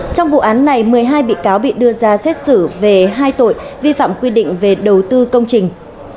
trong vụ án này một mươi hai bị cáo bị đưa ra xét xử về hai tội vi phạm quy định về đầu tư công trình